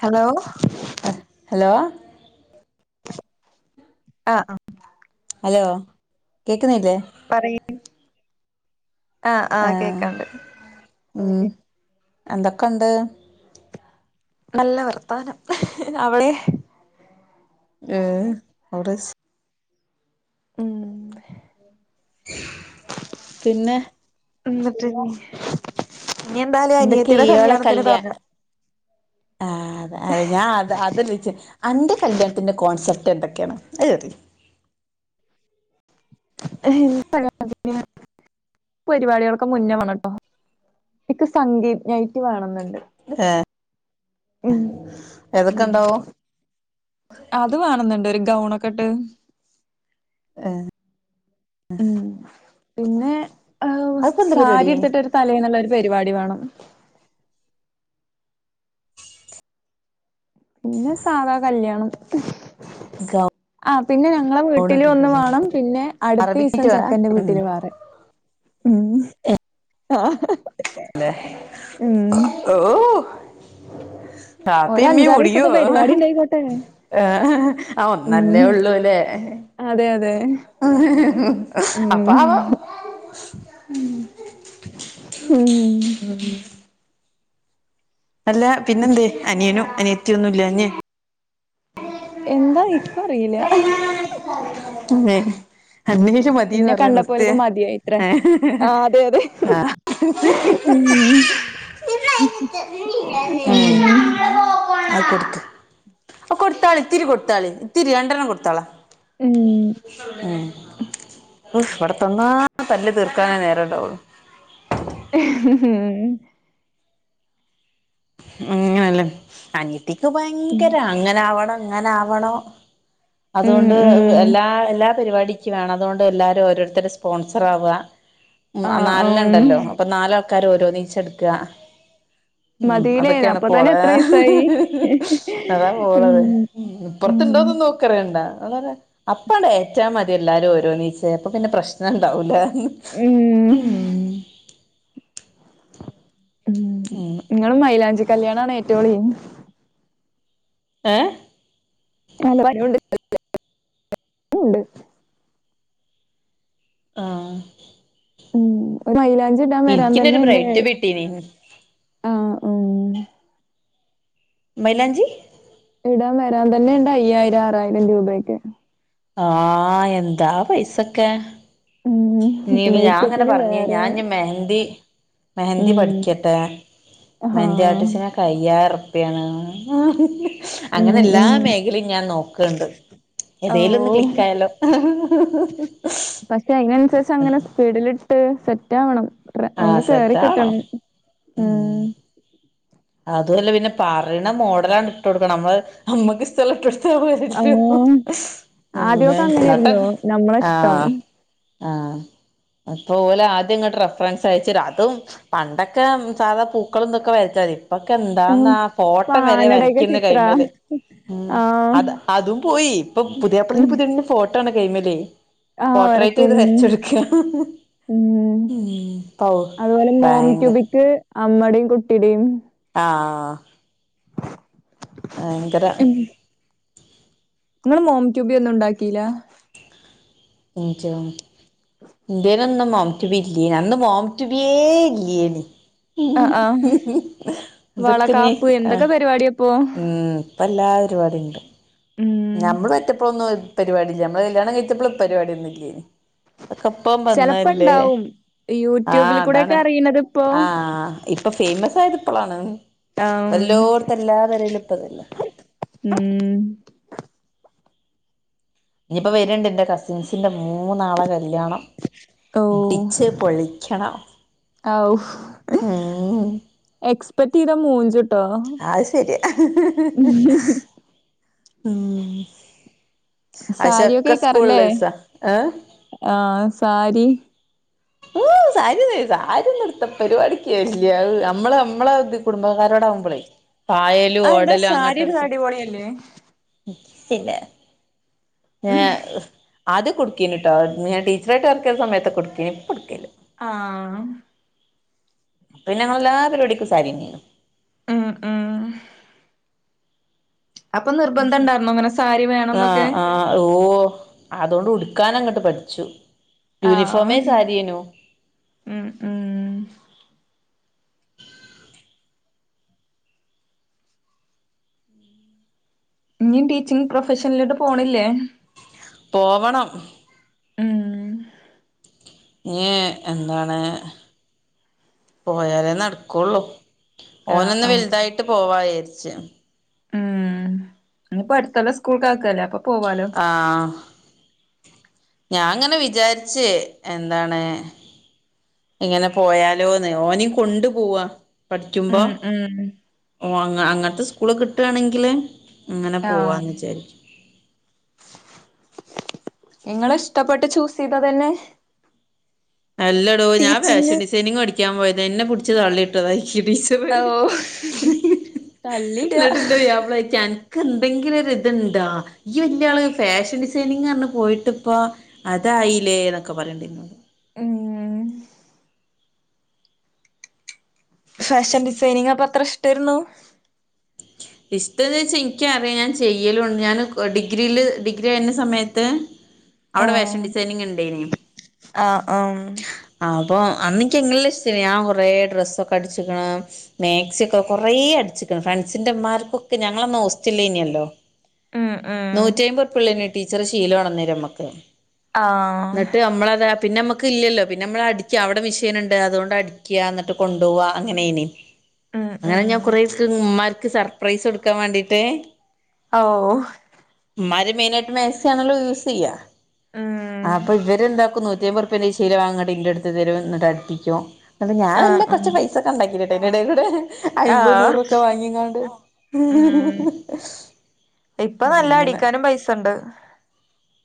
Hello hello [inaudible] ആഹ് hello കേൾക്കുന്നില്ലേ. പറി ആഹ് കേക്കാണ്ട് ഉം. എന്തൊക്കെയുണ്ട് നല്ല വർത്താനം. അവിടെ ഏഹ് അവിടെ സ് ഉം പിന്നെ എന്നിട്ട് ഇനി എന്താലും എന്തൊക്കെ അനിയത്തിയുടെ ഇയാളെ കല്യാണത്തിന് കല്യാ [unintelligible] ആഹ് അതെ. അതെ. ഞാൻ അതല്ലച്ച് അന്റെ കല്യാണത്തിന്റെ കോൺസെപ്റ്റ് എന്തൊക്കെയാണ്. അത് ചോദിക്ക്. [unintelligible] പരിപാടികൾക്കൊ മുന്നേ വണംട്ടോ. ഇക്ക് സംഗീത നൈറ്റ് വണന്നുണ്ട്. ഏഹ് ഉം. ഏതൊക്കെ ഉം ഉണ്ടാവും അത് വണംന്നുണ്ട്. ഒരു ഗൗണൊക്കെ ഇട്ട് ഏഹ് ഉം പിന്നെ അതിപ്പോ എന്താ സാരി പരിപാടി ഹെ ഉടുത്തിട്ടൊരു തലേന്നുള്ള ഒരു പരിപാടി വണം. പിന്നെ സാധാ കല്യാണം ഗൗ ആഹ് പിന്നെ ഞങ്ങളെ വീട്ടില് ഒന്ന് വേണം പിന്നെ അടുത്ത അറബിക് ദിവസം നൈറ്റ് വേണ ചെക്കന്റെ ഉം വീട്ടില് വേറെ ഉം ആഹ് ലെ ഉം ഓഹ് വാപ്പി ഉമ്മിം മുടിയോ ഒരഞ്ചാറീസത്തെ പരിപാടി ഇണ്ടായിക്കോട്ടെ ആഹ് ആഹ് ഉം ഒന്നല്ലേ ഉള്ളൂ അല്ലേ അതെ അതെ അപ്പ ഉം ആവാം ഉം ഉം അല്ല പിന്നെ എന്തേ അനിയനും അനിയത്തിയൊന്നുല്ലഞ്ഞെ എന്ത ഇക്കും അറിയില്ല അന്നേഷ മതിന്ന് ഇന്നെ പറഞ്ഞ കണ്ടപ്പോൽക്ക് നിർത്തിയേ മതിയായിത്രേ ഉം ആഹ് അതെ അതെ ഉം ഉം ആ കൊടുത്ത് അ കൊടുത്താളിത്തിരി കൊടുത്താളി ത്തിരി രണ്ടെണ്ണം കൊടുത്താള ഉം ഉം ഇവിടത്തൊന്നാ തല്ലി തീർക്കാനേ നേര ഉണ്ടാവുള്ളു ഉം ങ്ങ്നല്ലേ അനത്തിക്ക് ഉം ഭയങ്കര അങ്ങനാവണം ഇങ്ങനെ ആവണോ ഉം അതുകൊണ്ട് ഉം എല്ലാ എല്ലാ പരിപാടിക്ക് വേണം അതുകൊണ്ട് എല്ലാരും ഓരോരുത്തടെ സ്പോൺസർ ആവുക ആഹ് ഉം നാലനണ്ടല്ലോ അപ്പൊ നാലാൾക്കാര ഓരോനീച്ചെടുക്കുക ഉം മതിലേ അതൊക്കെയാണ് അപ്പൊ തന്നെ പ്പൊളെ എത്രയസായി അതാ ഉം പോളത് ഉം ഇപ്പുറത്തുണ്ടോന്ന് നോക്ക ക്കറണ്ടാ അത് അതേ അപ്പട ഏറ്റാ മതി എല്ലാരും ഓരോ നീച്ചേ അപ്പൊ പിന്നെ പ്രശ്നം ഉണ്ടാവൂലന്ന് ഉം ഉം ഉം നിങ്ങള മൈലഞ്ചി കല്യാണ ഏറ്റവുംള ഏഹ് [inaudible] ഉണ്ട് ആഹ് ഉം മൈയിലാഞ്ചി ഇട്ടാൻ വരാൻ തന്നെ എനിക്കിന്നൊരു ഉണ്ടേ ബ്രൈറ്റ് കിട്ടീനി ആഹ് ആഹ് മൈലഞ്ജി ഇടാൻ വരാൻ തന്നെുണ്ട് അയ്യായിരം ആറായിരം രൂപൊക്കെ ആഹ് എന്താ പൈസൊക്കെ ഉം ഇനി ഇത് ഞാൻ അങ്ങനെ മേക്കപ്പിന് പറഞ്ഞ് വേറെ ഞാൻ ഇനി മെഹന്തി മെഹന്തി ഉം പഠിക്കട്ടെ ഹാ മെഹന്ദി ആർട്ടിസിനെ കയ്യാറപ്പ്യാണ് ഉം അങ്ങനെ എല്ലാ ഉം മേഖലയും ഞാൻ നോക്കണ്ട് ഓ ഏതേലും ഒന്ന് ക്ലിക്ക് ആയാലോ പക്ഷെ അതിനനുസരിച്ച് അങ്ങനെ സ്പീഡിലിട്ട് സെറ്റ് ആവണം ട്രേ ആ ഒന്ന് കേറി സെറ്റാവണം കിട്ടണം ഉം അതുമല്ല പിന്നെ പറയണ മോഡലാണ് ഇട്ട് കൊടുക്കണം നമ്മള് അമ്മക്ക് ഈ സ്ഥലം [inaudible] ആ ഉം വേ ആദ്യമൊക്കെ എന്നിട്ട് അങ്ങനെയായിരുന്നോ നമ്മളെ ഇഷ്ടം ആഹ് ആഹ് അപ്പപലെ ആദ്യം ഇങ്ങോട്ട് റഫറൻസ് അയച്ച അതും പണ്ടൊക്കെ സാധാ പൂക്കളുംന്തൊക്കെ വച്ചാ മതി അപ്പൊക്കെ ഉം എന്താന്നാ ഇപ്പൊ ഫോട്ടം വരെ ആനടെയൊക്കെ വരയ്ക്കുന്ന ചിത്ര കൈ്മല് ഉം ആഹ് അത് അതും പോയി ഇപ്പൊ പുതിയാപ്പള്ളിന് ഉം പുതിയണ്ന്റെ ഫോട്ടോ ആണ കൈമലേ ആഹ് പോർട്ട്രേറ്റ് വരക്കും ചെയ്ത് വരച്ചൊടുക്ക ഉം ഔ ഭയങ്ക അമ്മടെ കുട്ടിടേം ആഹാ ഭയങ്കര ഉം ഇങ്ങള് മോം റ്റുബി ഒന്നും ഉണ്ടാക്കീല [unintelligible] ഇന്റിനോന്നും മോംടുബി ഇല്ലേനിം അന്ന് മോം ടുബേയ് ഇല്ലയേനിം ആഹ് ആഹ് ഇതൊക്കെഞ്ഞ് വളകാപ്പ് ആ എന്തൊക്കെ പരിപാടിയാപ്പോ ഉം പ്പം എല്ലാ പരുപാടി ണ്ട് ഉം നമ്മള് പെറ്റപ്പളൊന്നും പരിപാടിയില്ല നമ്മള് കല്യാണം കഴിച്ചപ്പളും പരിപാടിയൊന്നും ഇല്ലേനിം ചെലപ്പോ ഇണ്ടാവും ആഹ് യൂട്യൂബിൽ കൂടെക്കെ അതാണ് അറിയണതിപ്പോ ആഹ് ഇപ്പൊ ഫേമസ് ആയത് ഇപ്പളാണ് ആം പ്പല്ലോടത്ത എല്ലാ പെരീലും ഇപ്പതല്ലേ ഉം ഇഞപ്പ് വരണ്ട് എൻ്റെ കസിൻസിൻ്റെ മൂന്നാളെ കല്യാണം അടിച്ച് പൊളിക്കണം ഹൌ ഉം എക്സ്പെക്ട് ചെയ്ത മൂഞ്ചും അഹ് ശരിയാ ഉം അശക്കസ്കൂള്ളീസ ഏ ആഹ സാരി [inaudible] ഹ് സാരി ഒന്നുംടുത്ത പരിപാടിക്ക്‌ ഞാൻ ല്ല നമ്മള് നമ്മള കുടുംബക്കാരോട ആവുമ്പോളേ പായല ആഹ എന്താ സാരി ഒരു അടിപൊളിയല്ലേ [unintelligible] ഞാ ഹ് ആദ്യകൊടുത്തീനിട്ടോ ഞാൻ ടീച്ചറായിട്ട് വർക്കെയ്യ്ന്ന സമയത്ത് കൊടുത്തീനി ഇപ്പൊ ഉട് ആഹ പിന്നെ ങ്ങൾ എല്ലാ പരുവാടിക്കും സാരിന്നെയ്നിം ഉം ഉം അപ്പൊ നിർബന്ധം ഉണ്ടായിരുന്നോ അങ്ങനെ സാരി വേണംന്നൊക്കെ ആഹ് ആഹ് ഓ അതോണ്ട് ഉടുക്കാനങ്ങോട്ട് പഠിച്ചു ആഹ യൂണിഫോമേ സാരിയേനു ഉം ഉം ഇഞ്ഞി ടീച്ചിങ് പ്രൊഫഷനിലോട്ട് പോണില്ലേ പോവണം ഉം ഞ്ഞ് എന്താണ് പോയാലേ നടക്കുള്ളൂ ആഹ് ഓനൊന്ന് ആഹ് വലുതായിട്ട് പോവാചരിച്ച ഉം ഇഞ്ഞിപ്പ അടുത്തൊല്ലം സ്കൂൾക്ക് ആക്കല്ലേ അപ്പൊ പോവാലോ ആഹ് ഞാൻങ്ങനെ വിചാരിച് എന്താണ് ഇങ്ങനെ പോയാലോന്ന് ഓനിം കൊണ്ടു പോവാ പഠിക്കുമ്പോ ഉം ഉം ഓ അങ്ങ അങ്ങൻത്തെ സ്കൂള് കിട്ടണെങ്കില് ആഹ് ഇങ്ങള് ഇഷ്ടപ്പെട്ട് ചൂസെയ്തതന്നെ അല്ലെടോ ഞാൻ ടീച്ചിങ് ഫാഷൻ ഡിസൈനിങ് പടിക്കാൻ പോയതെയ്നി ന്നെ പിടിച് തള്ളിട്ടത ഇ ടി സി ഓ [unintelligible] തള്ളിടാ ന്നട്ട് ഇന്റെ പുയ്യാപ്ല ചോദിക്ക അന ക്കെന്തെങ്കിലു ഒരു ഇതുണ്ടാ യ് വല്യ ആള് ആയി ഫാഷൻ ഡിസൈനിങ് പറഞ് പോയിട്ട്പ്പാ. അതായില്ലേ ന്നൊക്കെ പറി ഉം ഫാഷൻ ഡിസൈനിങ് അപ്പൊ അത്ര ഇഷ്ടെര്ന്നു, ഇഷ്ടം എന്ന് വച്ചാ ഇൻക്ക് അറിയാ ഞാൻ ചെയ്യലുണ്ട് ഞാൻ ഡിഗ്രിയില് ഡിഗ്രി കഴിഞ്ഞ സമയത്ത് ഉം അവിടെ ഫാഷൻ ഡിസൈനിങ് ഇണ്ടെയ്നി ആഹ് ആഹ് അപ്പം അന്ന് ൻക്ക്‌ എങ്ങല്ല ഇഷ്ടേനി ഞാൻ കുറേ ഡ്രെസ്സൊക്കെ അടിച്ചിക്ക്ണ് മാക്സിക്കെ കൊറേ അടിച്ച്ക്ക്‌ണ് ഫ്രണ്ട്സിന്റെ മ്മാ കുക്ക് ഞങ്ങളന്ന് ഹോസ്റ്റൽലേനി അല്ലോ ഉം ഉം നൂറ്റി അയ്മ്പൊർ പിള്ളേ ടീച്ചറ് ശീലംണന്നേര നമ്മക്ക് ആഹ് ന്നിട്ട് നമ്മളത് പിന്നെ നമ്മക്ക് ഇല്ലലോ പിന്നെ നമ്മള് അടിക്ക അവിടെ മിഷീന്ണ്ട് അതോണ്ട് അടിക്ക ന്നിട്ട് കൊണ്ട് പോവ അങ്ങനയ്നി [unintelligible] അങ്ങനെ ഉം ഞാൻ കുറെക്ക് ഉമ്മാർക്ക് സർപ്രൈസ് കൊടുക്കാൻ വേണ്ടിട്ട് ഓഹ് മ്മാര് മെയിനയിട്ട് മാക്സി ആണല്ലോ യൂസെയ്യ ഉം അപ്പൊ ഇവര് ന്താക്കും നൂറ്റയ്മ്പറുപേന്റെ ശീല വാങ്ങ് ഇന്റെങ്ങെ ഇന്റെടുത്ത് തരും ന്നിട്ട് അടുപ്പിചും ന്നിട്ട് ഞാൻ ആഹ് വെല്ലെ ഉം കുറച്ച് പൈസ സണ്ടാക്കിട്ടാ അയിൻ്റെ എടെ കൂടെ അയ്മ്പ ആഹ് നൂറും ഒക്കെ വാങ്ങിങ്ങാണ്ട് [inaudible] ഉം ഇപ്പൊ നല്ല അടിക്കാനും പൈസണ്ട്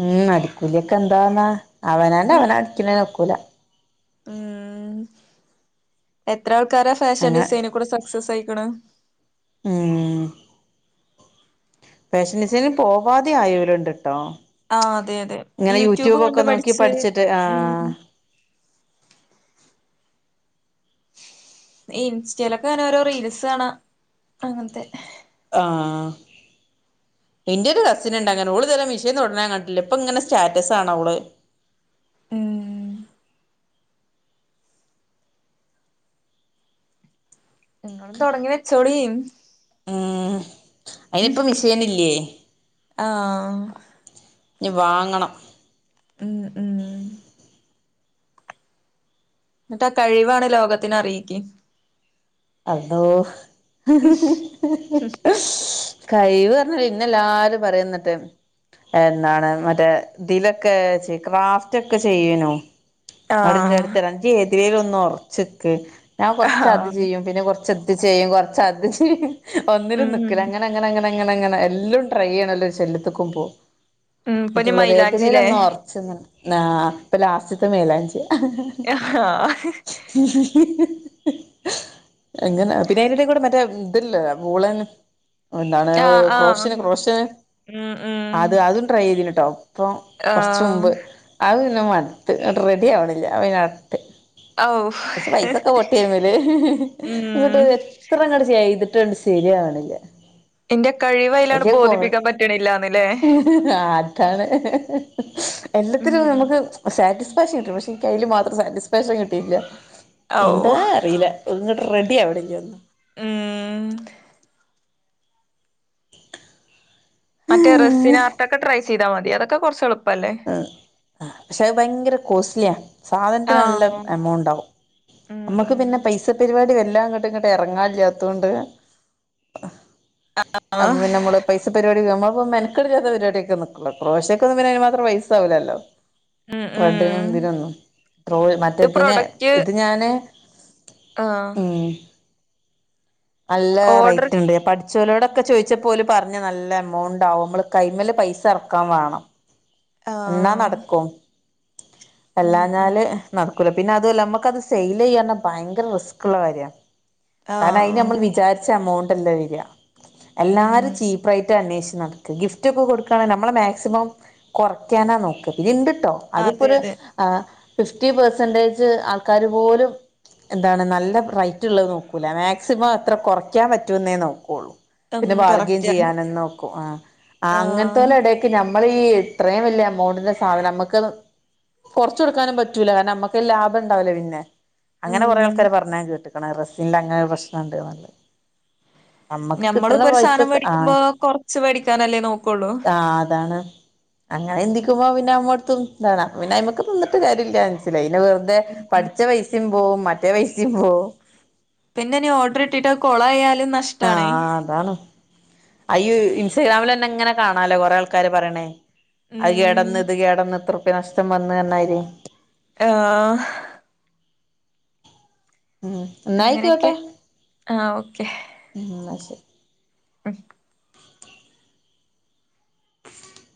ഉം അടിക്കൂലി ഒക്കെ എന്താന്നാ അവനാൻ്റെ ഉം അവനാ അടിക്കുന്നേനൊക്കൂല ഉം എത്ര ആൾക്കാരാ ഫാഷൻ അങ്ങനെ ഡിസൈനി കൂടെ സക്സസയിക്ക്ണ് ഉം ഫാഷൻ ഡിസൈന് പോവാതെ ആയോലുണ്ട് ട്ടോ ആഹ് അതെ അതെ ഇങ്ങനെ യൂട്യൂബ് യൂട്യൂബൊക്കെ കണ്ട് നോക്കി പഠിച്ച് പഠിച്ചിട്ട് ഉം ആഹ് [unintelligible] ഇൻസ്റ്റയിലൊക്കെ ങ്ങനെ ഓരോ റീൽസ് കാണാ അങ്ങൻത്തെ ആഹ് ന്റെരു കസിന്ണ്ട് അങ്ങനേ ഓള് ഇതുവരെ മിഷീന് തൊടുന്നത് ഞാൻ കണ്ടിട്ടില്ല ഇപ്പൊ ഇങ്ങനെ സ്റ്റാറ്റസ് കാണ ഓള് ഉം തൊടങ്ങി വെച്ചൊളീൻ എഹ് അയിനിപ്പ മിഷീന്ല്ലേ ആഹ് ഞ്ഞ് വാങ്ങണം [inaudible] ന്നിട്ട് ആഹ് കഴിവാണ് ലോകത്തിന് അറിയിക്കി അല്ലോഹ് കഴിവ് പറഞ്ഞ് ഇഞ്ഞെല്ലാരും പറയന്നിട്ട് എന്നാണ് മറ്റേ ഇതിലൊക്കെ ക്രാഫ്റ്റ് ഒക്കെ ചെയ്യനോ അവിടെ ഇന്റെ അടുത്ത് ആഹ് പറിം ജ്ജ് ഏതിലേലും ഒന്ന് ഒറച്ച്ക്ക് താൻ കൊർച്ച് അത് ആഹ് ചെയ്യും പിന്നെ കൊർച്ച് ഇത് ചെയ്യും കൊർച്ച് അത് ചെയ്യും ഒന്നിലും ഉം നിക്കുല്ല അങ്ങനെ അങ്ങനെ അങ്ങനെ അങ്ങനെ അങ്ങനെ എല്ലൊം ട്രൈ ചെയ്യണല്ലോ ഒര് ശല്യത്ക്ക്മ്പൊ ഉം ന്നട്ട് ഇപ്പനി ഇവള് പറയും മൈലാഞ്ചില്ലേ ഏതിലേലൊന്ന് ഒറച്ച് നിന്നാ പ്പ ലാസ്റ്റ്ത്തെ മെയ്ലാഞ്ച്യ [unintelligible] ഉം എങ്ങനെ പിന്നെ അയ്ൻ്റെ എടകൂടെ മറ്റേ ഇത് ല്ലേ മൂളൻ എന്താണ് ആഹ് ആഹ് ക്രോശന് ക്രോഷന് ഉം ഉം അത് അതും ട്രൈ ചെയ്തിന് ട്ടോ പ്പം കൊർച്ച് ആഹ് മുമ്പ് അഹ് പിന്നെ മട്ത്ത് ഇങ്ങട്ട് റെഡി ആവണില്ല അപ ന്നെ അവ്ടെട്ട് ഔ കൊർച്ച് പൈസൊക്കെ പൊട്ടി അയ്മ്മല് ങ്ങട്ട് ഉം അഹ് എത്ര ങ്ങട്ട് ചെയ്തിട്ടും ആണ്ട് ശരിയാവ്ണില്ല ഇന്റെ കഴിവയിലാണ് വല്യെ കോൺ ബോധിപ്പിക്കാൻ പറ്റണില്ലാന്ന്ല്ലേ ആഹ് അത്താണ് ഉം എല്ലത്തിനും നമക്ക് സാറ്റിസ്ഫാക്ഷൻ കിട്ടിണ് പക്ഷെ ഇൻക്ക് അയ്ല് മാത്രം സാറ്റിസ്ഫാക്ഷൻ കിട്ടിയില്ല ഔ എന്താ അറീല ഒന്നും റെഡി ആവ്ണില്ല ഒന്നും ഉം ഉം [unintelligible] മറ്റേ റെസ്സിന് ആർട്ടക്കെ ട്രൈ ചെയതാ മതി അതൊക്കെ കൊർച്ച് എള് എഹ് ആഹ് പക്ഷെ അത് ഭയങ്കര കോസ്റ്റ്ലിയാണ് സാധനത്തിന് നല്ല ആഹ് എമൗണ്ട് ആകും ഉം നമ്മക്ക് ഉം പിന്നെ പൈസ പരിപാടി വാല്ലാ ഇങ്ങട്ട് ഇങ്ങട്ട് എറങ്ങാല്ല്യാത്തോണ്ട് അപ്പ ആഹ് പിന്നെ അമ്മള് പൈസ പരിപാടിക്ക് ഞമ്മള്പ്പൊ മെൻക്കെട് ഇല്ലാത്ത പരിപാടിക്കെ നിക്കൊള്ളു ക്രോഷോക്കൊന്നും പിന്നെ അയ്‌ന്മാത്രം പൈസ ആവുല്ലല്ലോ ഉം ത്രെഡിനും ഉം ഇതിനൊന്നും ത്രോൾ മറ്റേ ഇത് ഇതിന് പ്രൊഡക്റ്റ് ഇത്‌ ഞാന് ആഹ് ഉം നല്ല ഓർഡർ റൈറ്റ്ണ്ട് പഠിച്ചോലൊടൊ ക്കെ ചോയ്ച്ചപ്പൊ ഓല് പർഞ് നല്ല എമൗണ്ട് ആകും മ്മള് കൈമല് പൈസ എറക്കാൻ വാണം ഇന്നാ ആഹ് നടക്കും ഉം ഉം അല്ലാഞ്ഞാല് നടക്കൂല പിന്നെ അതുഅല്ല അമ്മക്കത് സെയ്ല് ചെയ്യാർഞ്ഞ ഭയങ്കര റിസ്ക്ക്ള്ള കാര്യാ കാരണം അയ്ന് ആഹ് ഞമ്മള് വിചാരിച്ച എമൗണ്ട് അല്ല വെരാ എല്ലാരും ഉം ചീപ്പ് റയ്റ്റ് അന്വേഷിച്ചു നട ക്ക് ഗിഫ്റ്റ് ഒക്കെ കൊട്ക്കാണെ നമ്മള് മാക്സിമം കുറയ്ക്കാനാ നോക്ക പിന്നിം ഇണ്ട്ട്ടോ അതെ അത്പ്പൊര് അതെ ആഹ് ഫിഫ്റ്റി പേർസന്റെജ് ആൾക്കാര് പോലും എന്താണ് നല്ല റൈറ്റ് ഇള്ളഹ് നോക്കൂല മാക്സിമം എത്ര കൊറയ്ക്കാൻ പറ്റുംന്നെ നോക്കൊള്ളൂ ഉം പിന്നെ ബാർഗ്യിം കറക്റ്റാണ് ചെയ്യാനും നോക്കും ആഹ് ആഹ് അങ്ങൻത്തോലെ എടേ ക്ക് ഞമ്മള് ഈ ഇത്രേം വല്ല്യെ എമൗണ്ട്ന്റെ സാധനം ഞമ്മക്കത് കൊർച്ച് കൊടുക്കാനും പറ്റൂല്ല കാരണം അമ്മക്ക് ലാഭം ഇണ്ടാവൂല പിന്നെ അങ്ങനെ കൊറേ ഉം ആൾക്കാര് പർഞ്ഞ് ഞാൻ കേട്ട്ക്ക്ണ് അഹ് റെസ്സിന്റ് അങ്ങനെ ഒര് പ്രശ്നം ഇണ്ട്ന്ന്ള്ളഹ് ഞമ്മ ഞമ്മളും ക്ക്ട്ട്ണ ഇപ്പൊ ഒരു സാധനം പൈസൊക്കെ മേടിക്കുമ്പോ ആഹ് കൊറച്ച് മേടിക്കാനല്ലേ നോക്കുള്ളൂ ആഹ് അതാണ് അങ്ങനെ ചിന്തിക്കുമ്പോ പിന്നെ അമ്മെടും ഇന്താണ് അപ്പൊ പിന്നെ അയ്മ്മക്ക് നിന്നിട്ട് കാര്യല്ല്യ മൻസ്സിലായി പിന്നെ വെർ തെ ഉം പഠിച്ച പൈസിം പോവും മറ്റേ പൈസിം പോവും പിന്നെ ഇനി ഓർഡർ കിട്ടിട്ട് അഹ് കൊളായാലും നഷ് ആഹ് അതാണ് അയ്യോ ഇൻസ്റ്റഗ്രാമില് തന്നെ ഇങ്ങനെ കാണാലോ കൊറേ ആൾക്കാര് പറീണെഹ് അഹ് ഉം കേടെന്ന് ഇത് കേടെന്ന് ഇത്ര ഉർപ്യ നഷ്ടം വന്ന് പർഞ്ഞമാരി ആഹ ആഹ് അങ്ങനെയൊക്കെ ആ ഓക്കെ ഉം ആഹ് ശരി എ